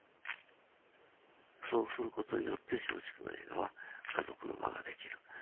そうする事によって松竹の映画は家族の輪が出来る。